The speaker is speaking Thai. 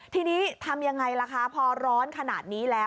ทีนี้ทำยังไงล่ะคะพอร้อนขนาดนี้แล้ว